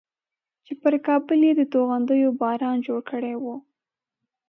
چې پر کابل یې د توغندیو باران جوړ کړی و.